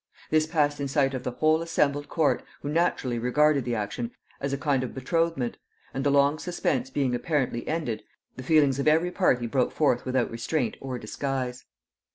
This passed in sight of the whole assembled court, who naturally regarded the action as a kind of betrothment; and the long suspense being apparently ended, the feelings of every party broke forth without restraint or disguise.